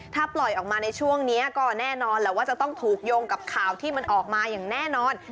ถ้าปล่อยออกมาในช่วงนี้ก็แน่นอนแหละว่าจะต้องถูกโยงกับข่าวที่มันออกมาอย่างแน่นอน